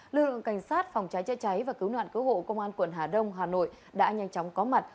lực lượng cảnh sát phòng cháy chế cháy và cứu nạn cứu hộ công an quận hà đông hà nội đã nhanh chóng có mặt